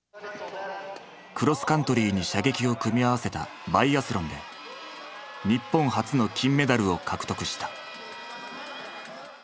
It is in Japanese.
クロスカントリーに射撃を組み合わせたバイアスロンで日本初の金メダルを獲得した。